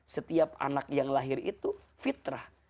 setiap anak yang lahir itu fitrah